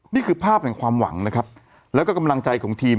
นี่คือภาพแห่งความหวังนะครับแล้วก็กำลังใจของทีม